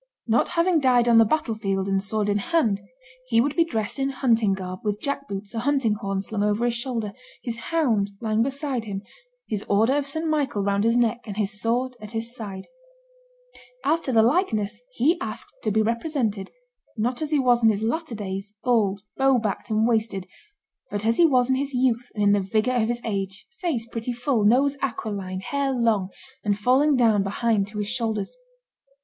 Not having died on the battle field and sword in hand, he would be dressed in hunting garb, with jack boots, a hunting horn, slung over his shoulder, his hound lying beside him, his order of St. Michael round his neck, and his sword at his side. As to the likeness, he asked to be represented, not as he was in his latter days, bald, bow backed, and wasted, but as he was in his youth and in the vigor of his age, face pretty full, nose aquiline, hair long, and falling down behind to his shoulders.